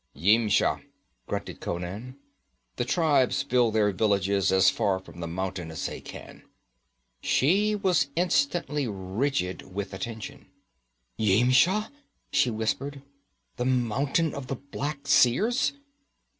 'Yimsha,' grunted Conan. 'The tribes build their villages as far from the mountain as they can.' She was instantly rigid with attention. 'Yimsha!' she whispered. 'The mountain of the Black Seers!'